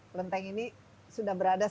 kelenteng ini sudah berada